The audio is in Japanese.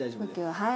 はい。